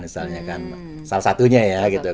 misalnya kan salah satunya ya gitu